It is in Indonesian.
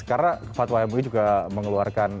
karena fatwa mui juga mengeluarkan